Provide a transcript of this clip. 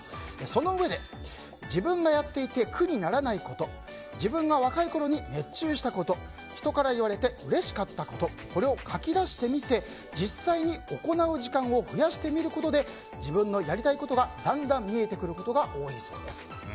そのうえで、自分がやっていて苦にならないこと自分が若いころに熱中したこと人から言われてうれしかったことこれを書き出してみて実際に行う時間を増やしてみることで自分のやりたいことがだんだん見えてくることが多いそうです。